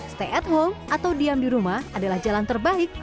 stay at home atau diam di rumah adalah jalan terbaik